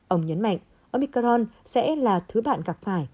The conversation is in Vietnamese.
ông nhấn mạnh omicorn sẽ là thứ bạn gặp phải